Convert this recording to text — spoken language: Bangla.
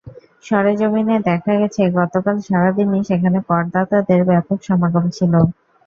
সরেজমিনে দেখা গেছে, গতকাল সারা দিনই সেখানে করদাতাদের ব্যাপক সমাগম ছিল।